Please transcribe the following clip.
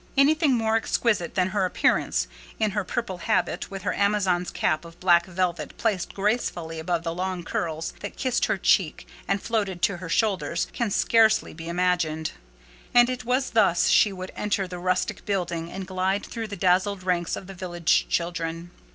Anything more exquisite than her appearance, in her purple habit, with her Amazon's cap of black velvet placed gracefully above the long curls that kissed her cheek and floated to her shoulders, can scarcely be imagined: and it was thus she would enter the rustic building, and glide through the dazzled ranks of the village children.